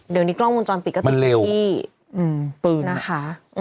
เดี๋ยวนี้กล้องวงจรปิดก็ถึงที่มันเร็วปืนนะคะ